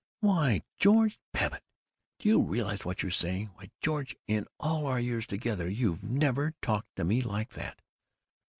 "Why, George Babbitt! Do you realize what you're saying? Why, George, in all our years together you've never talked to me like that!"